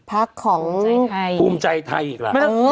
พักของคุมใจไทยอีกละ